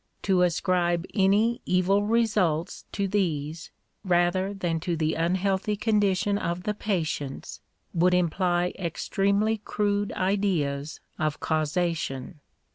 To ascribe any evil results to these, rather than to the unhealthy condition of the patients, would imply extremely crude ideas of causation.